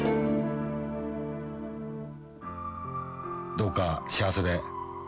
どうか幸せで。